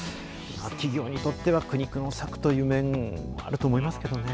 企業にとっては苦肉の策という面があると思いますけどね。